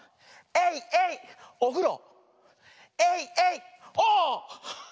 エイエイおふろ。